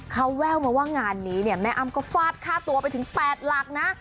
เขาแววมาว่างานนี้เนี่ยแม่อ้ำก็ฟาดค่าตัวไปถึง๘หลักนะ